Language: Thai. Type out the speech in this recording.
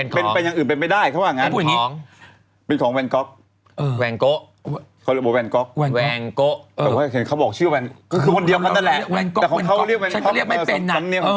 คือมันเป็นอย่างอื่นเป็นไม่ได้เขาบอกอย่างงั้น